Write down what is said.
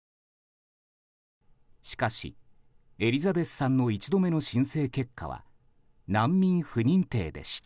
しかし、エリザベスさんの１度目の申請結果は難民不認定でした。